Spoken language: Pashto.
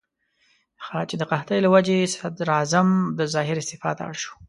چې د قحطۍ له وجې صدراعظم عبدالظاهر استعفا ته اړ شو.